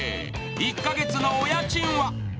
１か月のお家賃は？